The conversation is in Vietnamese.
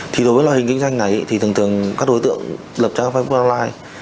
thì đối với loài hình kinh doanh này thì thường thường các đối tượng lập trang facebook online